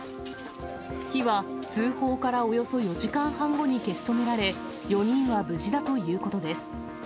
火は通報からおよそ４時間半後に消し止められ、４人は無事だということです。